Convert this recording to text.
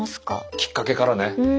きっかけからね。